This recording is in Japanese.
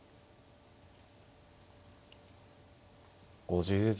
５０秒。